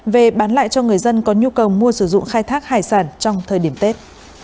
về bán lại cho người dân có nhu cầu mua sử dụng khai thác hải sản trong thời điểm tết